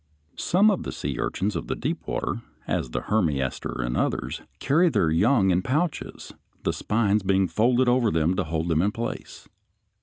Some of the sea urchins of deep water, as the Hermiaster and others, carry their young in pouches, the spines being folded over them to hold them in place.